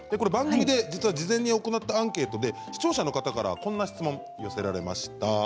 番組で事前に行ったアンケートで視聴者の方からこんな質問が寄せられました。